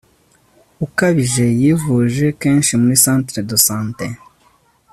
ukabije yivuje kenshi muri centre de santé